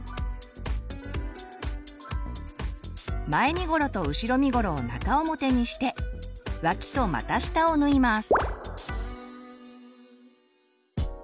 前身頃と後ろ身頃を中表にして脇と股下を縫います。